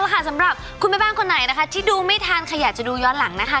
ค่ะสำหรับคุณแม่บ้านคนไหนนะคะที่ดูไม่ทันค่ะอยากจะดูย้อนหลังนะคะ